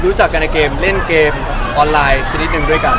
รู้จักกันในเกมเล่นเกมออนไลน์ชนิดหนึ่งด้วยกัน